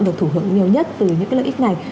được thủ hợp nhiều nhất từ những lợi ích này